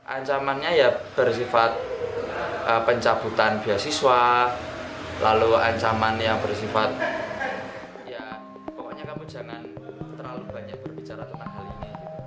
ancamannya ya bersifat pencabutan beasiswa lalu ancaman yang bersifat ya pokoknya kamu jangan terlalu banyak berbicara tentang hal ini